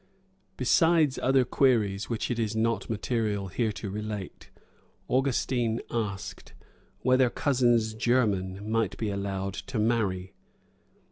Besides other queries, which it is not material here to relate, Augustine asked, "Whether cousins german might be allowed to marry."